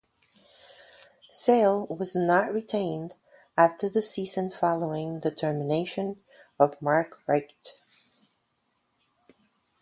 Sale was not retained after the season following the termination of Mark Richt.